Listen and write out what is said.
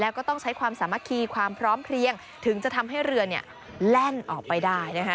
แล้วก็ต้องใช้ความสามัคคีความพร้อมเพลียงถึงจะทำให้เรือเนี่ยแล่นออกไปได้นะคะ